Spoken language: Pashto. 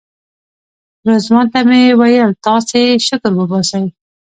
رضوان ته مې ویل تاسې شکر وباسئ.